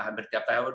hampir tiap tahun